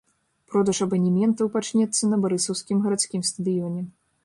Продаж абанементаў пачнецца на барысаўскім гарадскім стадыёне.